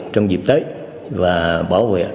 trong dịp tới và bảo vệ